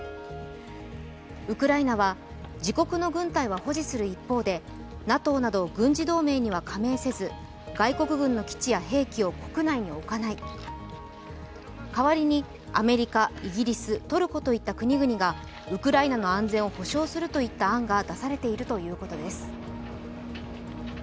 ウクライナは自国の軍隊は保持する一方でＮＡＴＯなど軍事同盟には加盟せず外国軍の基地や兵器を国内に置かない、代わりにアメリカ、イギリストルコといった国々がウクライナの安全を保障するといった案が出されているということです。